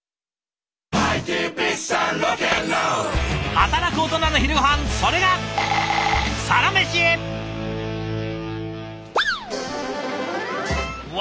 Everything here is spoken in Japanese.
働くオトナの昼ごはんそれがうわ